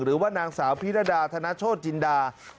หรือว่านางสาวพิรดาธนโชธจินดา